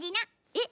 えっ！